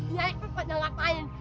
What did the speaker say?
ya itu kacauan lain